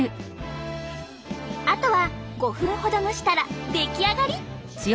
あとは５分ほど蒸したら出来上がり。